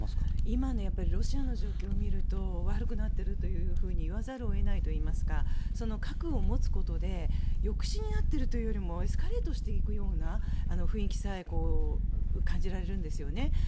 今のロシアの状況を見ると悪くなっていると言わざるを得ないといいますか核を持つことで抑止になっているというよりもエスカレートしていくような雰囲気さえ感じられるんですよね。